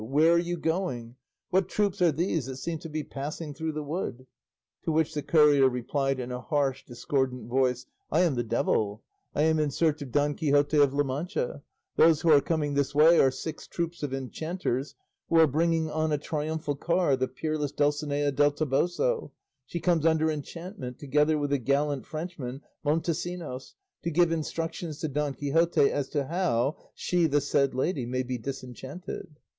Where are you going? What troops are these that seem to be passing through the wood?" To which the courier replied in a harsh, discordant voice, "I am the devil; I am in search of Don Quixote of La Mancha; those who are coming this way are six troops of enchanters, who are bringing on a triumphal car the peerless Dulcinea del Toboso; she comes under enchantment, together with the gallant Frenchman Montesinos, to give instructions to Don Quixote as to how, she the said lady, may be disenchanted."